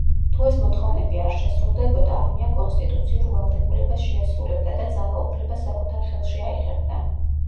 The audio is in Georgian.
თუ ეს მოთხოვნები არ შესრულდებოდა, არმია „კონსტიტუციურ ვალდებულებას შეასრულებდა“ და ძალაუფლებას საკუთარ ხელში აიღებდა.